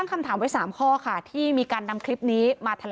นี่คลิปนี้